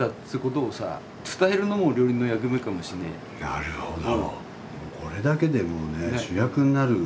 なるほど。